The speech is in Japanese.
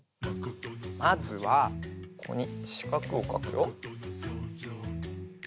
まずはここにしかくをかくよ。